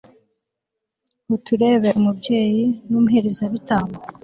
utubere umubyeyi n'umuherezabitambo